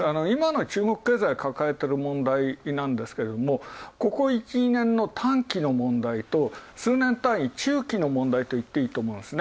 今の中国経済抱えてる問題なんですけれども、ここ１年２年の短期の問題と、数年単位、中期の問題といっていいと。